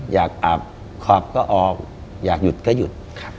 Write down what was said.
อยากอาบขอบก็ออกอยากหยุดก็หยุด